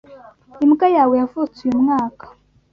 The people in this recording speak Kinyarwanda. Imbwa yawe yavutse uyu mwaka.